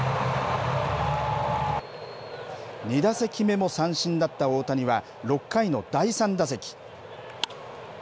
２打席目も三振だった大谷は、６回の第３打席。